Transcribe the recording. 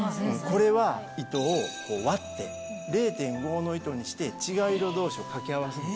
これは糸を割って０．５の糸にして違う色同士を掛け合わせる。